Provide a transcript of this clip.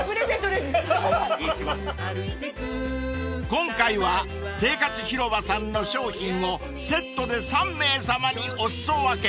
［今回は生活広場さんの商品をセットで３名さまにお裾分け］